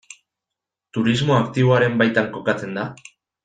Turismo aktiboaren baitan kokatzen da?